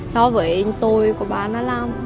so với tội của bà đó làm